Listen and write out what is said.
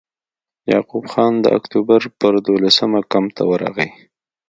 یعقوب خان د اکټوبر پر دولسمه کمپ ته ورغی.